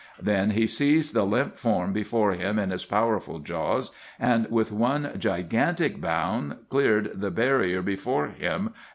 Then he seized the limp form before him in his powerful jaws, and with one gigantic bound cleared the barrier before him and was gone.